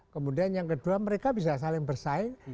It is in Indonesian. kemudian yang kedua mereka bisa saling bersaing